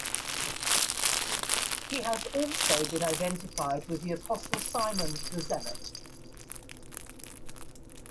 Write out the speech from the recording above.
He has also been identified with the Apostle Simon the Zealot.